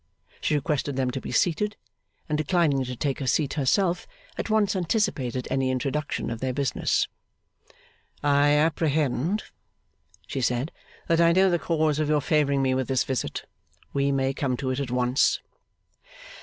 She requested them to be seated; and declining to take a seat herself, at once anticipated any introduction of their business. 'I apprehend,' she said, 'that I know the cause of your favouring me with this visit. We may come to it at once.